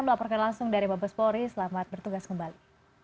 melaporkan langsung dari bapak spori selamat bertugas kembali